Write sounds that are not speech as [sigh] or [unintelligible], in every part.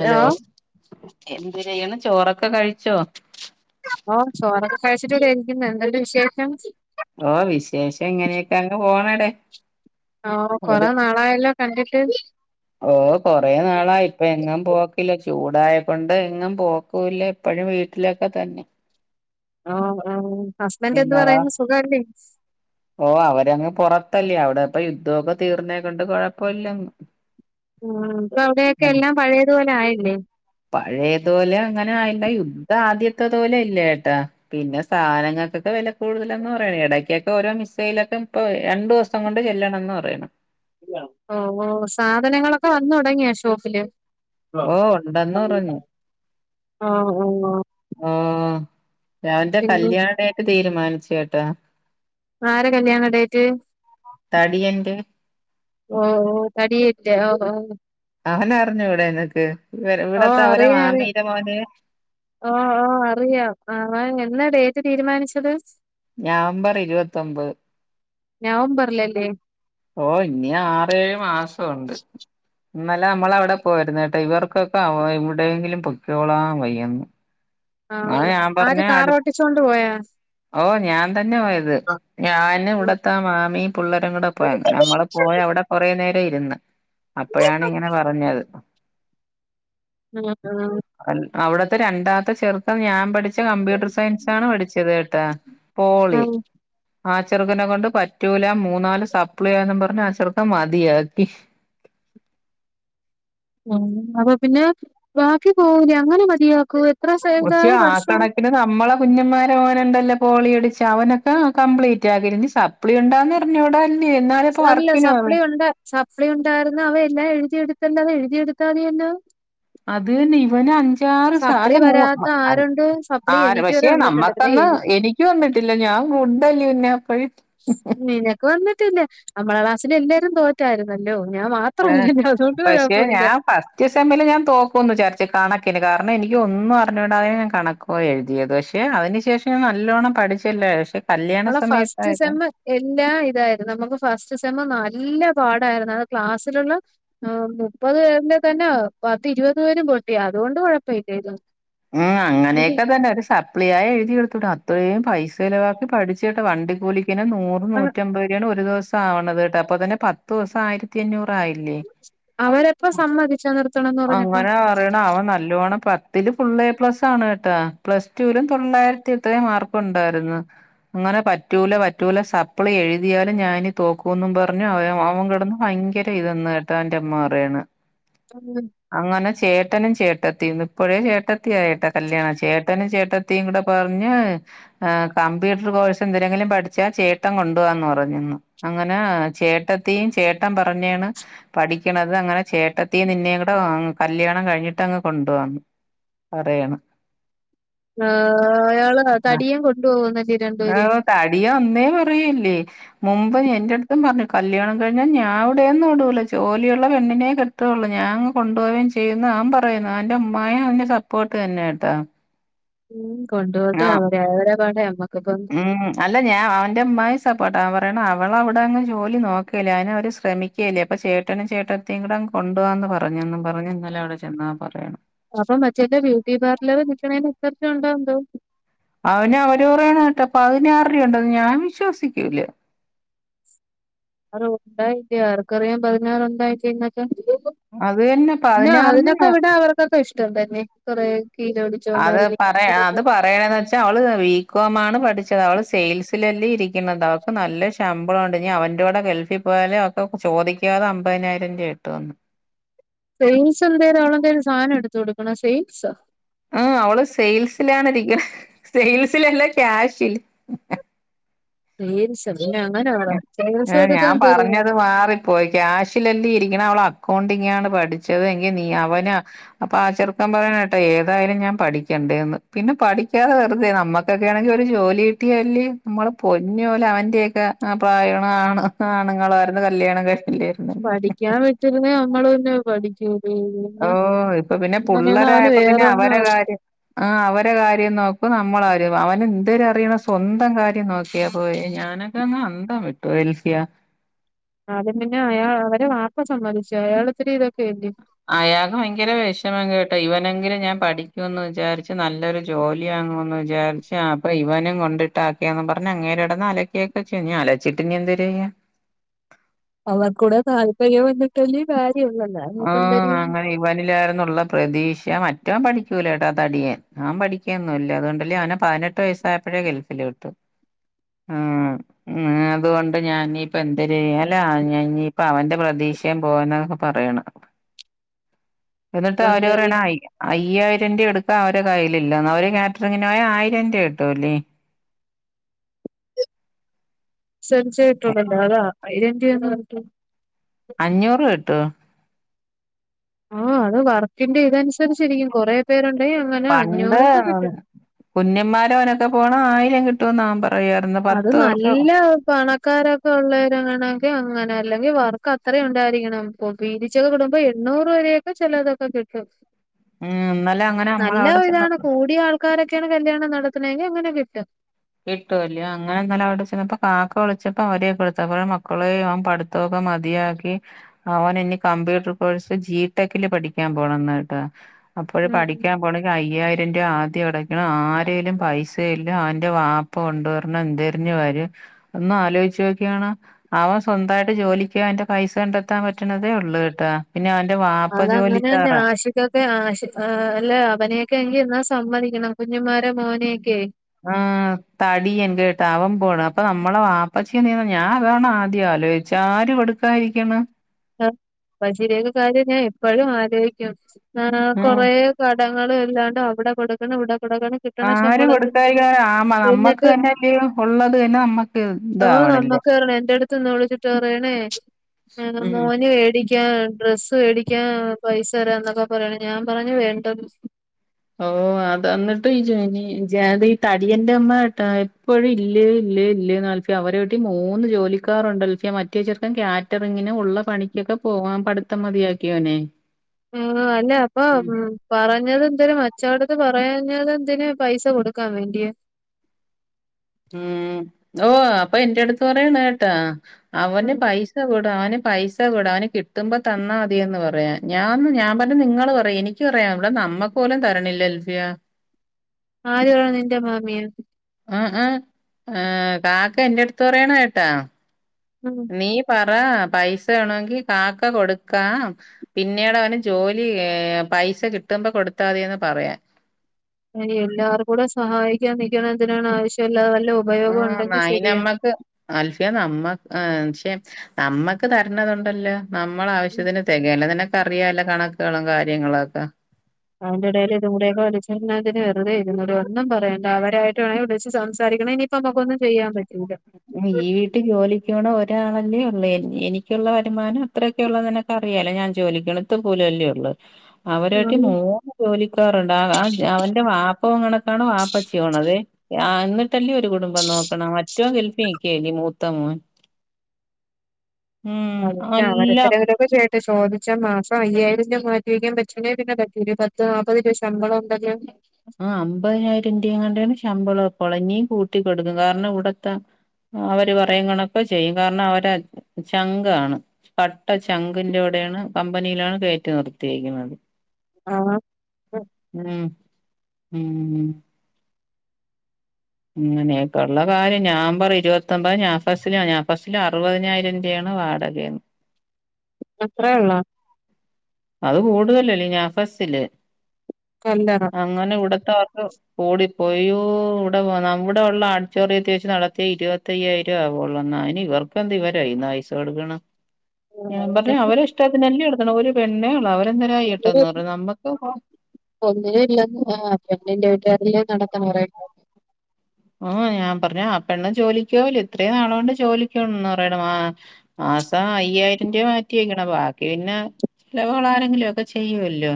Hello എന്ത് ചെയ്യണ് ചോറൊക്കെ കഴിച്ചോ ഓ ചോറൊക്കെ കഴിച്ചിട്ടിവിടെയിരിക്കുന്നു എന്താ പിന്നെ വിശേഷം ഓ വിശേഷം ഇങ്ങനെയൊക്കെ അങ്ങ് പോണടെ ഓ കൊറേ നാളായല്ലോ കണ്ടിട്ട് ഓ കൊറെനാളായി ഇപ്പൊ എങ്ങും പോക്കില്ല സ്കൂ ചൂടായ കൊണ്ട് എങ്ങും പോക്കൂല്ല ഇപ്പഴും വീട്ടിലൊക്കെ തന്നെ ആ ആ ഹസ്ബൻ്റ് എന്ത് നിങ്ങളോ പറയുന്നു സുഖല്ലേ ഓ അവരങ്ങ് പുറത്തല്ലേ അവിടെ ഇപ്പ യുദ്ധമൊക്കെ തീർന്നേക്ക കൊണ്ട് കൊഴപ്പമില്ലങ് ആ ഇപ്പോ അവിടെയൊക്കെ എല്ലാം പഴയതുപോലെ ആയി [unintelligible] പഴയത് പോലെ ങ്ങനെ ആയില്ല യുദ്ധം ആദ്യത്തെതോലെ ഇല്ലേ ട്ടോ പിന്നെ സാധനങ്ങൾക്കൊക്കെ വെല കൂടുതലന്ന് പറയും ഇടക്കൊക്കെ ഓരോ മിസൈലൊക്കെ ഇപ്പൊ രണ്ടു ദിവസം കൊണ്ട് ചെല്ലണം എന്ന് പറയണ് ഓ ഓ സാധനങ്ങളൊക്കെ വന്ന് തൊടങ്ങിയോ ഷോപ്പില് ഓ ഉണ്ടെന്ന് പറഞ്ഞ്. ഓ ഓ ഓഹ് ലവന്റെ പിന്നെ കല്യാണ ഡേറ്റ് തീരുമാനിച്ചു കേട്ടാ ആരെ കല്യാണ ഡേറ്റ് തടിയന്റെ ഓ ഓ തടിയല്ലേ ഓ ഓ അവനറിഞ്ഞൂടെ നിനക്ക് ഇവ ഓ ഇവിടത്തെ അവരെ അറിയാം അറിയാ മാമീടെ മോന് ഓ ഓ അറിയാം ആ എന്നാ ഡേറ്റ് തീരുമാനിച്ചത് നവംബർ ഇരുപത്തൊമ്പത് നവംബറിലല്ലേ ഓ ഇനി ആറേഴ് മാസമുണ്ട് ഇന്നലെ നമ്മളവിടെ പോയിരുന്നു കേട്ടാ ഇവർക്കൊക്കെ എവിടെയെങ്കിലും പൊക്കോളാൻ വയ്യന്ന്. ആ അ ഞാൻ പറഞ്ഞ ആര് കാർ അടു ഓട്ടിച്ചോണ്ട് പോയാ ഓ ഞാൻ തന്നെ പോയത് ഞാന് ഓ ഇവിടത്തെ ആ മാമിയും പിള്ളേരും കൂടെ പോയ അങ്ങനെ നമ്മള പോയി അവിടെ കൊറ നേരം ഇരുന്ന് അപഴാണ് ഇങ്ങനെ പറഞ്ഞത് ആ ആ അവിടുത്തെ രണ്ടാത്തെ ചെറ ഞാൻ പഠിച്ച ച കമ്പ്യൂട്ടർ സയൻസാണ് പഠിച്ചത് കേട്ടാ പോളി ഉം ആ ചെറുക്കനെ കൊണ്ട് പറ്റൂല മൂന്നാല് സപ്ലിയാന്നും പറഞ്ഞ് ആ ചെറുക്കൻ മതിയാക്കി ഉം അപ്പൊ പിന്നെ ബാക്കി പോവൂലെ അങ്ങനെ മതിയാക്കോ പക്ഷെ ആ കണക്കിന് നമ്മളെ കുഞ്ഞന്മാരെ [unintelligible] പോളി പഠിച്ച് അവനൊക്കെ കപ്ലീറ്റ് ആക്കി ഇനി സപ്ളി ഉണ്ടന്നറിഞ്ഞൂടാ എന്നാലെ ഇപ്പോ അല്ല വർക്കിന് പോവാ സപ്ലി അവൻ ഉണ്ട് സപ്ലി ഉണ്ടായിരുന്നു അവൻ എല്ലാം എഴുതിയെടുക്കേണ്ടത് എഴതിയെടുക്കാതെ എന്നാവും അത് തന്നെ ഇവൻ അഞ്ചു - [unintelligible] [inaudible] മ വരാത്ത ആരുണ്ട് സപ്ലി ആ എനിക്ക് വരെ പക്ഷേ വന്നിട്ടുണ്ട് പിന്നെ നമ്മക്കന്ന് എനിക്ക് വന്നിട്ടില്ല ഞാൻ ഫുഡഡല്ലന്നപ്പഴ [unintelligible] ല്ല നമ്മളെ ക്ലാസ്സസില് എല്ലാരും തോറ്റായിരുന്നല്ലോ ഞാൻ ഏ മാത്രമല്ലല്ലോ അതുകൊണ്ട് പക്ഷെ കുഴപ്പമില്ല ഞാൻ ഫസ്റ്റ് സെമ്മിൽ ഞാൻ തോക്കോന്ന് വിചാരിച്ചാ കണ ക്കിന് കാരണം എനിക്ക് ഒന്നും അറിഞ്ഞൂടാതെ ഞാൻ കണക്ക് പോയി എഴുതിയത് പക്ഷെ അതിന് ശേഷം ഞൻ നല്ലോണം പഠിച്ചല്ലേ പക്ഷെ- കല്യാണ നമ്മളെ ഫസ്റ്റ് സമയത്തായതാ സെമ്മ് എല്ലാം ഇതായിരുന്നു നമുക്ക് ഫസ്റ്റ്- സെമ്മ് നല്ല പാടായിരുന്നു അത് ക്ലാസ്സിലുള്ള മുപ്പത് പേരിന്റെ തന്നെ പത്ത് ഇരുപത് പേരും പൊട്ടി അതുകൊണ്ട് കുഴപ്പമില്ലേര്ന്നു ഉം അങ്ങനെയൊക്കെ തന്നെ ഒരു സം- സപ്ലിയായി എഴുതിയെടുത്തൂടെ അത്രയും പൈസ ചിലവാക്കി പഠിച്ചിട്ട് വണ്ടി കൂലി- പിന്നെ നൂറ് നൂറ്റമ്പരുയാണ് ഒരു ദിവസ് ആവണത് കേട്ട അപ്പ തന്നെ പത്ത് ദിവസം ആയിരത്തി അഞ്ഞൂറ്- അവരപ്പ സമ്മതിച്ചാ നിർത്തണന്ന് പറഞ്ഞപ്പം ത്തിലും ഫുള്ള് ഏ പ്ലസ് ആണ് കേട്ടാ പ്ലസ് ടുവിലും തൊള്ളായിരത്തി എത്രയ മാർക്ക്‌ ഒണ്ടാരുന്നു അങ്ങനെ പറ്റൂല പറ്റൂല സപ്ലി എഴുതിയാലും ഞാനിനി തോക്കൂന്നും പറഞ്ഞു അവ അവൻ കിടന്ന് ഭയങ്കര ഇതെന്ന് കേട്ടാ അവൻ്റെ അമ്മ പറയണ് അങ്ങനെ [inaudible] ചേട്ടനും ചേട്ടത്തീന്ന് ഇപ്പഴേ ചേട്ട ത്തിയായിട്ട കല്യാണം ചേട്ടനും ചേട്ടത്ത് ത്തിയും കൂട പറഞ്ഞ് എ കമ്പ്യൂട്ടർ കോഴ്സ് എന്തരെങ്കിലും പഠിച്ചാ ചേട്ടൻ കൊണ്ടവാന്ന് പറഞ്ഞന്ന് അങ്ങന ചേട്ടത്തിയും ചേട്ടൻ പറഞ്ഞയാണ് പഠിക്കണത് അങ്ങനെ ചേട്ടത്തിയും നിന്നേയും കൂടെ കല്യാണം കഴിഞ്ഞിട്ട് അങ്ങ് കൊണ്ട് പോവാന്ന് പറയണ് ആഹ് അയാള് തടിയൻ കൊണ്ടു പോവുവെന്നല്ലേ രണ്ടുപേരെം ആഹ് തടിയ ഒന്നേ പറയൂല്ലേ മുമ്പ് എന്റടുത്തും പറഞ്ഞു കല്യാണം കഴിഞ്ഞാ ഞാൻ ഇവിടെയൊന്നും ഇടൂല ജോലിയുള്ള പെണ്ണിനെ കെട്ടുള്ളൂ ഞാൻ അങ്ങ് കൊണ്ടു പോവേം ചെയ്യുന്നു അവൻ പറയുന്നു അവന്റെ ഉമ്മായും അവന്റെ സപ് പോട്ട് തന്നെയാട്ടാ ഉം കൊണ്ടുപോട്ട് അവരായി അവരെ പ പാടായി നമ്മക് ഉം അല്ല ഞാൻ അവന്റെ ഉമ്മായും സപ്പോർട്ട് അവൻ പറയണ് അവളവിടെ അങ്ങ് ജോലി നോക്കയല്ലേ അതിന് അവര് ശ്രമിക്കയല്ലേ അപ്പ ചേട്ടനും ചേട്ടത്തീം കൂട അങ്ങ് കൊണ്ട് പോവാന്ന് പറഞ്ഞെന്ന് അപ്പൊ മറ്റേല്ല ബ്യൂട്ടി പാർലർ നിക്കണേന് എത്ര ഒണ്ടോ എന്തോ അവന് അവര് പറയണ കേട്ട് പതിനാറ് രുവയൊണ്ടെന്ന് ഞാൻ വിശ്വസിക്കൂല അത് ഒണ്ടോ ഇല്ലയോ ആർക്കറിയാം പതിനാറ് ഒണ്ടാ ഇല്ലയോന്നൊക്ക അത് തന്നെ പതിനാറിന് [unintelligible] കൊറെ അത് പറയാ അത് പറയണന്ന് വെച്ചാ അവള് വീ കോം ആണ് പഠിച്ചത് അവള് സെയിൽസ് ലല്ലേ ഇരിക് ക്കണത് അവക്ക് നല്ല ശ ശമ്പളോണ്ട് ഇനി അവന്റ കൂട ഗൾഫിൽ പോയാല് അവക്ക് ചോദിക്കാതെ അമ്പതിനായിരം രൂവക്കിട്ടുവെന്ന് സെയിൽസ് എന്തെലും അവളെന്തേലും സാധനം എടുത്തു കൊടുക്കണ സെയിൽസാ ആ അവള് സെയിൽസിലാണ് ഇരിക്കണ സെയിൽസിലല്ല ക്യാഷില് സെയിൽസെന്ന് ഏ ഞാൻ പറഞ്ഞത് മാറിപ്പോയി ക്യാഷിലല്ലി ഇരിക്കണ അവള അക് ക്കൗണ്ടിങ്ങ് ആണ് പഠിച്ചത് എങ്കിൽ നീ അവന അപ്പൊ ആ ചെറുക്കൻ പറയണ കേട്ട ഏതായാലും ഞാൻ പഠിക്കണ്ടേന്ന് പിന്നെ പഠിക്കാതെ വെറുതെ നമ്മുക്കൊക്കെ ആണെങ്കിൽ ഒരു ജോലി കിട്ടിയാല് നമ്മള് പൊന്നു പോലെ അവന്റയൊക്ക ആ പ്രായമാണ് ആണ് ആണുങ്ങളാരുന്നു കല്യാണം കഴിച് പഠിക്കാൻ വിട്ടിരുന്നെ നമ്മള് പിന്ന പഠിക്കൂ ഓ ഇപ്പൊ പിന്നെ അവന് പുള്ളരായപ്പോ പിന്നെ വേറൊന്നും അവരെ അറി കാര്യം ആ അവരെ കാര്യം നോക്കും നമ്മളെ കാര് അവൻ എന്തേര് അറിയണ സ്വന്തം കാര്യം നോക്കിയാ പോയ ഞാനൊക്കെങ്ങ് അന്തം വിട്ടു എൽഫിയ ആത് പിന്നെ അയാ അവരെ വാപ്പ സമ്മതിച്ചോ അയാളിത്തിരി ഇതൊക്കെ അല്ലേ അയാൾക്ക് ഭയങ്കര വിഷമം കേട്ടോ ഇവനെങ്കിലും ഞാൻ പഠിക്കുമന്ന് വിചാരിച്ച് നല്ലൊരു ജോലിവാങ്ങുമന്ന് വിചാരിച്ച് അപ്പൊ ഇവനും കൊണ്ടിട്ട് ആക്കിയന്ന് പറഞ്ഞ അങ്ങേരെ ഇടന്ന് അലക്കിയക്കെ ചെയ്യാന് അലച്ചിട്ട്ന് എന്ത് ചെയ്യൻ അവർ കൂടെ താല്പര്യം വന്നിട്ട് അല്ലേ കാര്യവോളു ആ അങ്ങനെ ഇവനിലായിന്നുള്ള പ്രതീക്ഷ മറ്റൻ പഠിക്കൂലട്ടാ തടിയാൻ ആൻ പഠിക്കൊന്നുംല്ല അതുകൊണ്ടല്ലേ അവന പതിനെട്ട് വയസ്സായപ്പോഴേ ഗൾഫിൽ വിട്ടു അതുകൊണ്ട് ഞാനീപ്പ എന്താല ഞീപ്പ അവന്റെ പ്രതീക്ഷയും പോയെന്നൊക്കെ പറയണ എന്നിട്ട് ഇപ്പോ അവര എന്തര് പറയണ അയ്യ് അയ്യായിരം രൂപ എടുക്കാ അവരെ കയ്യിലല്ല അവര് കാറ്ററിങ്ങിനയാ പോയ ആയിരം രൂപ കിട്ടുവല്ലേ സംരിച്ചട്ടുള്ളണ്ടോ അതാ [inaudible] ഉക്ക [inaudible] അഞ്ഞൂറ് കിട്ടും ഓ അത് വർക്കിന്റെ ഇതനുസരിച്ചിരിക്കും കൊറേ പേരുണ്ട് പണ്ട് കുഞ്ഞന്മാര അവനൊക്കെ പോണം ആയി മേടിക്കാൻ കിട്ടുമെന്ന് അവൻ പറഞ്ഞ അത് നല്ല പണക്കാരൊക്കെ ഉള്ളവരെങ്ങണെങ്ക അങ്ങനെ അല്ലെങ്കിൽ വർക്ക് അത്ര ഉണ്ടായിരിക്കണം ഇപ്പൊ പീരിച്ചൊക്കെ കുടുമ്പോ എണ്ണൂറ് വരെയൊക്കെ ചെിലതൊക്കെ കിട്ടും ഉം ഇന്നലെ അങ്ങനെ നമ്മള് നല്ല അവിടെ ഇതാണ് ചെന്നപ്പോ കൂടിയ ആൾക്കാരൊക്കെയാണ് കല്യാണം നടത്ത നടത്തണമെങ്കിൽ അങ്ങനെ കിട്ടും കിട്ടുവല്ല അങ്ങനെന്താലും അവിടെ ചെന്നപ്പോ കാക്ക വിളിച്ചപ്പോ അവരെയൊക്കെടുത്തപ്പോഴെ മക്കള അവൻ പഠിത്തൊക്കെ മതിയാക്കി അവൻ ഇനി കമ്പ്യൂട്ടർ കോഴ്സ് ജിടെക്കില് പഠിക്കാൻ പോണം എന്നായിട്ടാ അപ്പോഴ ഉം പഠിക്കാ പോണെങ്കിൽ അയ്യായിരം [inaudible] ആദ്യം അടയ്ക്കണം ആരങ്കലും പൈസയില്ല ആ വാപ്പ കൊണ്ട പറ എന്തതിരിഞ്ഞു വാര് ഒന്നും ആലോചിച്ചു നോക്കാണ് അവൻ സ്വന്തായിട്ട് ജോലിക്ക് അന്റെ പൈസ കണ്ടെത്താൻ പറ്റണതേ ഉള്ളൂ കേട്ടാ പിന്നെ വാപ്പ അത അങ്ങനെ തന്നെ ജോലിക്കാറാ ആഷിക്കൊക്കെ ആ ആ അല്ല അവനെയൊക്കെ എങ്കിൽ എന്നാ സമ്മതിക്കണം കുഞ്ഞിമാരെ മോനെയൊക്കെ ആ തടിയൻ കേട്ട അവൻ പോണ് അപ്പൊ നമ്മളെ വാപ്പച്ച നീന്ന ഞാൻ അതാണ് ആദ്യം ആലോചിച്ച ആരും കൊടുക്കാ ഇരിക്കണ് ആ പജരേഖ കാര്യം ഞാൻ എപ്പോഴും ആലോചിക്കും ആ കൊറ ഉം. ക ഇടങ്ങളും എല്ലാണ്ട് അവിടെ കൊടുക്കുന്ന ഇവിട തുട കിട്ടണ ആര് ശമ്പളത്തി കൊടുക്കാതിരിക്കണ് ആമ നമ്മക്ക് എന്നിട്ട് തന്നെല്ലയോ ഉള്ളത് തന്നെ നമ്മക്ക് ആ ഇതാവണില്ല നമ്മക്ക് കേറ എന്റെ അടുത്ത് നിന്ന് വിളിച്ചിട്ട് പറയണേ ആ ഉം മോന് വേടി ടിക്ക ഡ്രസ്സ് മേടിക്കാ പൈസ തരാ എന്നൊക്കെ പറയണ ഞാൻ പറഞ്ഞു വേണ്ടന്ന് ഓ അത എന്നിട്ട് ഈ ജാതി ഈ തടിയന്റെ അമ്മട്ട എപ്പോഴും ഇല്ല ഇല്ല ഇല്ല അവരെ വീട്ടിൽ മൂന്ന് ജോലിക്കാറുണ്ട് അൽഫിയ മറ്റേ ചർക്കൻ കാറ്ററിങ്ങിന് ഉള്ള പണിക്കൊക്കെ പോവാൻ പഠിത്തം മതിയാക്കിയോനെ ആ അല്ലെ അപ്പൊ ഉ പറഞ്ഞത് എന്തലും കച്ചവടത്ത് പറയാ കഴഞ്ഞാത എന്തിനന് പൈസ കൊടുക്കാൻ വേണ്ടിയ ഉം ഓ അപ്പൊ എന്റെ അടുത്ത് പറയണ കേട്ടാ അവന ഉം പൈസ കോഡ് അവനെ പൈസ കൊട് അവന് കിട്ടുമ്പോ തന്നാൽ മതിയന്ന് പറയാ ഞാന്ന് ഞാൻ പറഞ്ഞ നിങ്ങള് പറയാ എനിക്ക് പറയാം ഇവിടെ നമ്മക്ക് പോലും തരണില്ല എൽഫിയ ആര് പറഞ്ഞു നിന്റെ മാമിയ ആ ആ കാക്ക എന്റെ അടുത്ത് പറയണ ട്ടാ ഉം നീ പ പറ പൈസ വേണെങ്കിൽ കാക്ക കൊടുക്കാം പിന്നീട് അവനു ജോലി പൈസ കിട്ടുമ്പോ കൊടുത്താ മതീന്ന് പറയാൻ എല്ലാവർക്കും കൂടെ സഹായിക്കാൻ നിൽക്കണ എന്തിനാണ് ആവശ്യമില്ലാതെ ആ ഉപയോഗം ഉണ്ടെങ്കി നായിന ശരിയാണ്. അമ്മക്ക് അൽഫിയ നമ്മ ആഹ് ക്ഷേ നമ്മക്ക് തരണതുണ്ടല്ലോ. നമ്മള ആവശ്യത്തിന് തികല്ല അറിയാല്ലോ കണക്കുകളും കാര്യങ്ങളുക്കെ അവന്റെ ഇടയിൽ ഇത കൂടെയൊക്കെ വലിച്ചു അതിന് വെറുതെ ഇരുന്നൂടെ ഒന്നും പറേണ്ട അവരായിട്ട് വേണങ്കി വിളച്ച് സംസാരിക്കണേ ഇനിയിപ്പ നമക്കൊന്നും ചെയ്യാൻ പറ്റും ഈ വീട്ടി ജോലി ക്ക് പോണ ഒരാളല്ലേ ഉള്ളൂ എനിക്കുള്ള വരുമാനം അത്രയൊക്കെ ഉള്ള നിനക്ക അറിയാല്ലോ ഞാൻ ജോലിക്ക് ഇത്തി പോലം അല്ലേ ഉള്ളൂ അവരവീട്ടി ഉം. മൂന്ന് ജോലി കറണ്ട് [unintelligible] അവന്റെ വാ അപ്പൊ കണക്കാണ് വാപ്പചിയോണത് എന്നിട്ടല്ലേ ഒരു കുടുംബം നോക്കണ മ മറ്റവൻ ഗൽഫി നിക്കല്ലെ മൂത്ത മോൻ ഉം അതന്നെ അവരെ എല്ലാം എന്തെങ്കിലൊക്കെ ചെയ്യ്ത് ചോദി പക്ഷേ മാസം അയ്യായിരം രൂപ മാറ്റിവെക്കാൻ പറ്റില്ലേൽ പിന്നെ ഒരു പത്ത് നാല്പത് രൂപ ശമ്പളം ഉണ്ടെങ്കിൽ ആ അമ്പതിനായിരം രൂപ എങ്ങടാണ് ശമ്പ ശമ്പളം പൊളഞ്ഞി നി കൂട്ടിക്കൊടുക്കും കാരണം ഇവിടത്തെ അവര് പറയും കണക്കെ ചെയ്യും കാരണം അവരെ ചങ്ക് ആണ് കട്ട ചങ്കിൻ്റോഡണ് കമ്പനിയിലാണ് കയറ്റി നിർത്തിരിക്കുന്നത് ആഹ് ഉം ഉം അനെയക്കള്ള കാര്യംഞാൻ പറയും ഇരുപത്തി ഒമ്പത് നാഫാസില നാഫസില അറുപതിനായിരം രൂപയാണ് വാടക എന്ന് അത്രേ ഉള്ളോ അത് കൂടുതലല്ലെ നാഫസിൽ കല്ലറ അങ്ങനെ ഇവിടത്തെ അവർക്ക് ഓടി പോയൂ ഇവിടെ നമ്മുടെ ഉള്ള ഓഡിറ്റോറിയത്തിൽ വെച്ച് നടത്തിയ ഇരുപത്തയ്യായിരം ആവള്ളൂ എന്നാ ഇനി ഇവർക്കെന്ത് ഇവര കയ്യീന്ന് പൈസ കൊടുക്കുന്ന ആ, ഞാൻ പർഞ്ഞ് ഇതൊക്കെ അവരെ ഇഷ്ടത്തിന് അല്ലിയോ ര്ണം ഓൽ പെണ്ണെ ഒള്ളു അവര് എന്തെരാ ചെയ്യെട്ടെന്ന് ഒന്നിനും പർഞ്ഞ് നമ്മെക്ക് ഇപ്പം ണ്ണിൻ്റെ വീട്ട് കാര് അല്ലെ നട്ത്ത്ണെ പറയെണ്ടെ? ആഹ് ഞാൻ പർഞ്ഞ് ആ പെണ്ണ് ജോലിക്ക് പോവ് അല്ലെ ഇത്രേം നാളോണ്ട് ജോലിക്ക് പോണ്ന്ന് പറിയിണ്. ആഹ് മാസം അയ്യായിരം രൂപ മാറ്റി വെക്കണം. ബാക്കി പിന്നെ ചെലവുകൾ ആരെങ്കിലു ഒക്കെ ചെയ്യുവല്ലോ?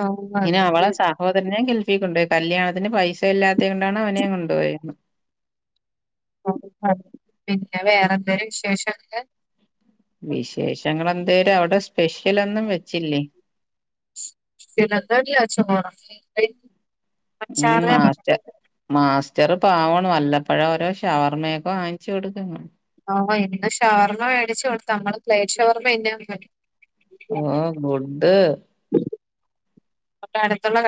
ആ, പിന്നെ അതിന് അവളെ സഹോദെര്നെയും ഗൾഫി കൊണ്ടോയി കല്യാണത്തിന് പൈസ ഇല്ലാത്തെ കൊണ്ടാണ് അവ നെ കൊണ്ട് പോയെന്ന് [unintelligible] പിന്നെ വേറെ എന്തെലും വിശേഷൊഒക്കെ? വിശേഷങ്ങൾ എന്തേര് അവ്ടെ സ്പെഷ് ലൊന്നും വെച്ചില്ലേ? [unintelligible] ഉം മാർച്ച് അച്ചാറ് മാസ് ചെറു പാവാണ് വല്ലപ്പഴോരോ ഷവർമ്മയെക്കെ വാങ്ങിച്ച് കൊടുക്ക് ഉം ആ ഇന്ന് ഷവർമ്മ മേടിച്ച് കൊടുത്ത് നമ്മള് പ്ലേറ്റ് ഷവർമ്മന്നെ ഒന്ന് ഓ ഗുഡ്ഡ് അപ്പൊ അട്ത്തുള്ള ക